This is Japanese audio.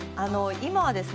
今はですね